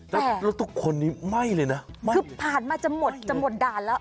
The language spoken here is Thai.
บางตาแต่แล้วทุกคนนี้ไหม้เลยนะคือผ่านมาจะหมดจะหมดด่านแล้ว